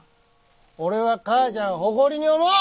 俺は母ちゃんを誇りに思う！